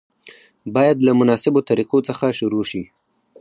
باید له مناسبو طریقو څخه شروع شي.